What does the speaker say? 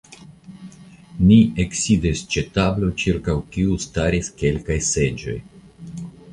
Ni eksidis ĉe tablo, ĉirkaŭ kiu staris kelkaj seĝoj.